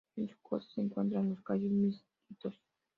En su costa se encuentran los Cayos Miskitos.